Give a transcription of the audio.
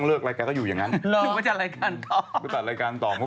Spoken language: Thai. กลัวว่าผมจะต้องไปพูดให้ปากคำกับตำรวจยังไง